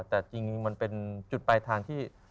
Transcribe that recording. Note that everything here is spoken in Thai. แต่จริงมันเป็นจุดปลายทางที่